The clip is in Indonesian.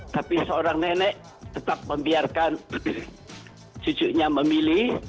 tapi seorang nenek tetap membiarkan cucunya memilih